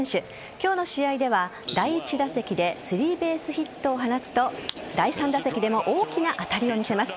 今日の試合では第１打席でスリーベースヒットを放つと第３打席でも大きな当たりを見せます。